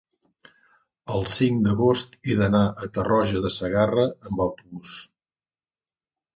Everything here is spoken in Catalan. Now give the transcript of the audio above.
el cinc d'agost he d'anar a Tarroja de Segarra amb autobús.